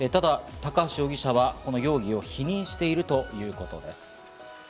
高橋容疑者は否認しているということです。